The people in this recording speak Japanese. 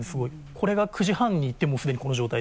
これが９時半に行ってもうすでにこの状態。